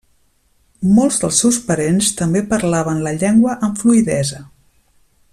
Molts dels seus parents també parlaven la llengua amb fluïdesa.